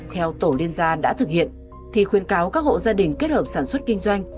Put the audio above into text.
theo tổ liên gia đã thực hiện thì khuyên cáo các hộ gia đình kết hợp sản xuất kinh doanh